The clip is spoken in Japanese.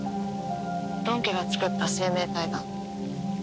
ドン家が作った生命体だ。